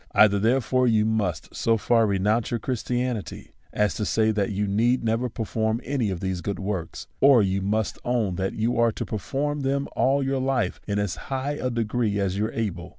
Either, therefore, you must so far renounce your Christianity as to say, that you need never perform any of these good works ; or you must own that you are to perform them all your life in as high a degree as you are able.